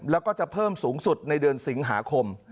แล้วก็จะเพิ่มสูงสุดในเดือนสิงหาคม